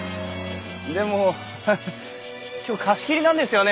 でもハハ今日貸し切りなんですよね？